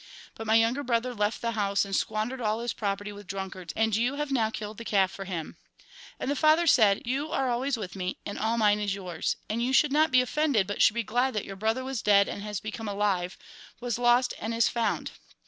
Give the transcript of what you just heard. But my younger brother left the house and squandered all his property with drunkards, and you have now killed the calf for him.' And the father said :' You are always with me, and all mine is yours ; and you should not be offended, but should be glad that your brother was dead and has become alive, was lost and is found.'